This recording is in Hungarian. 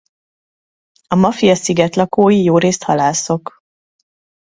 A Mafia-sziget lakói jórészt halászok.